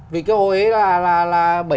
vì cái hồi ấy là bảy mươi hai